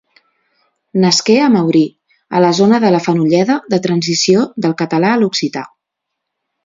Nasqué a Maurí, a la zona de la Fenolleda de transició del català a l'occità.